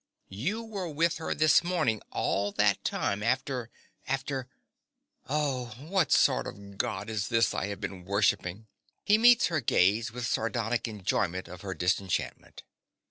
You were with her this morning all that time after— after— Oh, what sort of god is this I have been worshipping! (_He meets her gaze with sardonic enjoyment of her disenchantment.